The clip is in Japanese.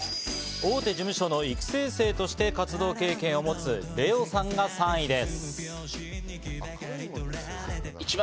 大手事務所の育成生として活動経験を持つレオさんが３位です。